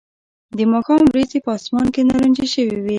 د ماښام وریځې په آسمان کې نارنجي شوې وې